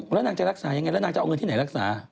แล้วนางจะรักษายังไงแล้วนางจะเอาเงินที่ไหนรักษา